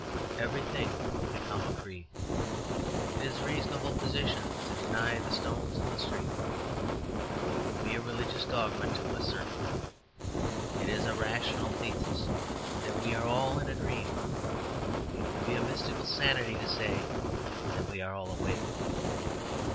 Everything will become a creed. It is a reasonable position to deny the stones in the street; it will be a religious dogma to assert them. It is a rational thesis that we are all in a dream; it will be a mystical sanity to say that we are all awake.